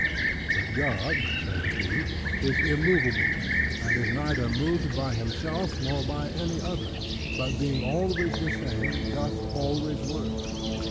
But God (saith he) is immovable, and is neither moved by himself, nor by any other: but being always the same, doth always work.